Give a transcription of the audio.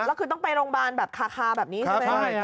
แล้วคือต้องไปโรงพยาบาลแบบคาแบบนี้ใช่ไหม